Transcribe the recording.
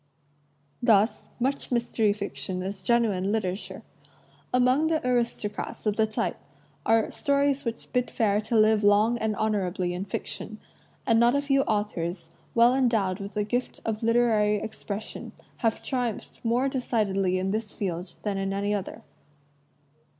Thus, much mystery fiction is genuine literature. Among the aristocrats of the type are stories which bid fair to live long and honorably in fiction, and not a few authors, well endowed with the gift of literary expression, have triumphed more decidedly in this field than in any other.